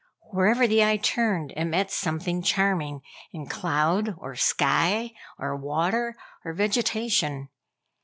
Wherever the eye turned it met something charming in cloud, or sky, or water, or vegetation.